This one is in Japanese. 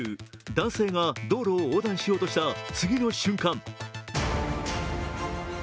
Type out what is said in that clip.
男性が道路を横断しようとした次の瞬間。